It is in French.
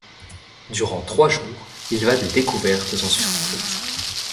Durant trois jours, il va de découvertes en surprises.